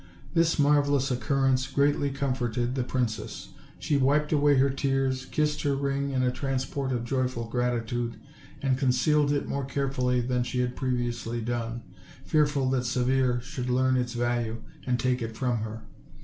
This marvelous occurrence greatly comforted the princess; she wiped away her tears, kissed her ring in a transport of joyful gratitude, and concealed it more carefully than she had previously done, fearful that Severe should learn its value and take it from her.